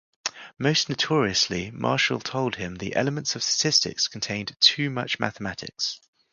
Most notoriously Marshall told him the "Elements of Statistics" contained "too much mathematics.